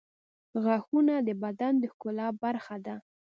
غاښونه د بدن د ښکلا برخه ده.